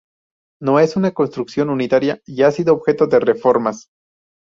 No es una construcción unitaria, y ha sido objeto de reformas.